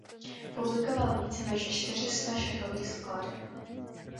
Publikoval více než čtyři sta šachových skladeb.